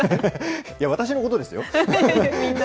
私のことですよ。